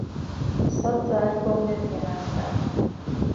سەت جا ربەو نهبیه نازدار